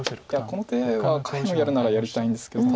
この手は下辺をやるならやりたいんですけど。